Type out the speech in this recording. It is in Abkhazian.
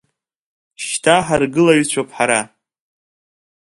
Шьҭа ҳаргылаҩцәоуп ҳара.